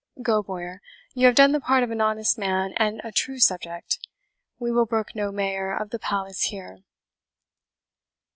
Go, Bowyer, you have done the part of an honest man and a true subject. We will brook no mayor of the palace here."